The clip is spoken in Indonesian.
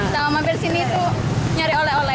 sama sama disini tuh nyari oleh oleh